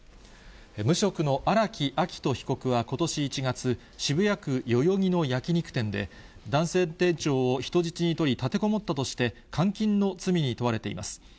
無職の荒木秋冬被告は、ことし１月、渋谷区代々木の焼き肉店で、男性店長を人質に取り、立てこもったとして、監禁の罪に問われています。